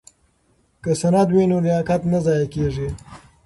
که سند وي نو لیاقت نه ضایع کیږي.